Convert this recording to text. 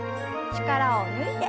力を抜いて。